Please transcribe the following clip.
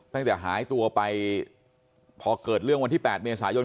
ตั้งแต่หายตัวไปพอเกิดเรื่องวันที่๘เมษายน